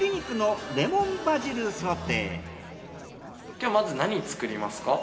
今日はまず何作りますか？